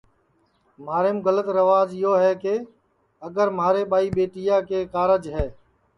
مہاریم گلت ریواج یو ہے کہ اگر مہارے ٻائی ٻیٹیا کے کارج ہے